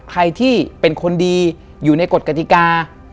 ใครที่เป็นคนดีอยู่ในกฎกติกา